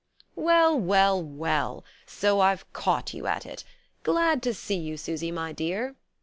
"Well well well so I've caught you at it! Glad to see you, Susy, my dear."